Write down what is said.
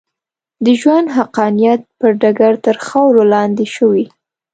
د ژوند حقانیت پر ډګر تر خاورو لاندې شوې.